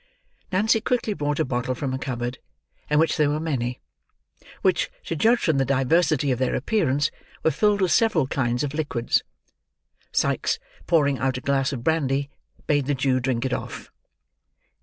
Nancy quickly brought a bottle from a cupboard, in which there were many: which, to judge from the diversity of their appearance, were filled with several kinds of liquids. Sikes pouring out a glass of brandy, bade the Jew drink it off.